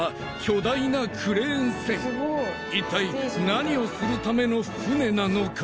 祕貘何をするための船なのか？